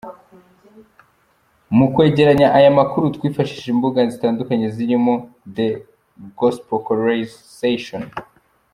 Mu kwegereranya aya makuru twifashishije imbuga zitandukanye zirimo The gospelcoalition.